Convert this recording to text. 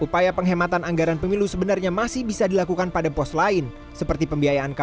pemilu serentak dua ribu dua puluh